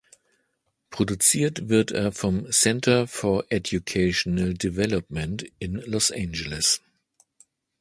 Produziert wird er vom "Center for Educational Development" in Los Angeles.